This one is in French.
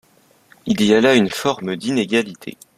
Il y a là une forme d’inégalité.